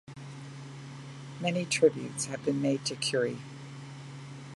Many tributes have been made to Currie.